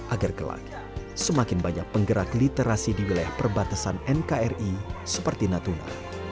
agar gelap semakin banyak penggerak literasi di wilayah perbatasan nkri seperti natuna